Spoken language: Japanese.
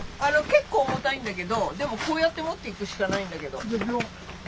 結構重たいんだけどでもこうやって持っていくしかないんだけど。